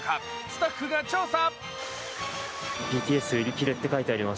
スタッフが調査。